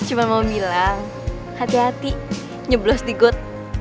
cuma mau bilang hati hati nyeblos di good